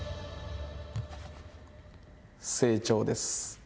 成長です。